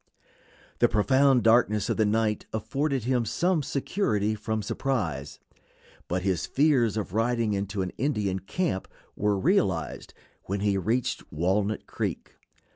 The profound darkness of the night afforded him some security from surprise, but his fears of riding into an Indian camp were realized when he reached Walnut Creek.